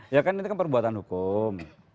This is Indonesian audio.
ya kan ini kan perbuatan hukum